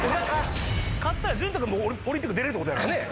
勝ったら淳太君もオリンピック出れるってことやからね